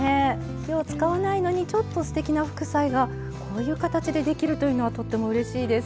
火を使わないのにちょっとステキな副菜がこういう形でできるというのはとってもうれしいです。